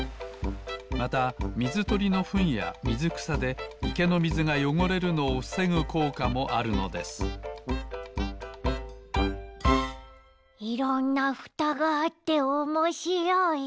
またみずとりのフンやみずくさでいけのみずがよごれるのをふせぐこうかもあるのですいろんなふたがあっておもしろい！